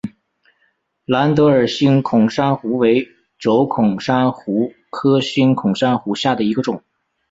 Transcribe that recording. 蓝德尔星孔珊瑚为轴孔珊瑚科星孔珊瑚下的一个种。